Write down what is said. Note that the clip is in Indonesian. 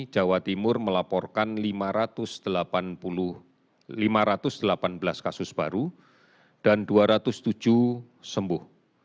jawa timur melaporkan lima ratus delapan belas kasus baru dan dua ratus tujuh sembuh